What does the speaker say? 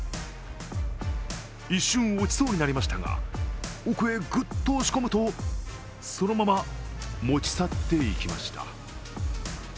一瞬、落ちそうになりましたが奥へぐっと押し込むとそのまま持ち去っていきました。